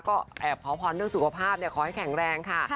ก็แอบขอพรเรื่องสุขภาพขอให้แข็งแรงค่ะ